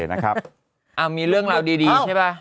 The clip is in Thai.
ไอ้มีเรื่องราวดีใช่ปะ